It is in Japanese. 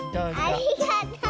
ありがとう！